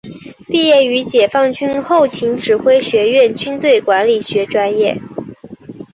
毕业于解放军后勤指挥学院军队管理学专业。